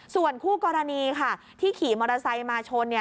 ส่วนคู่กรณีค่ะที่ขี่มอเตอร์ไซค์มาชน